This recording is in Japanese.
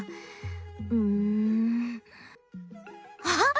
うんあっ！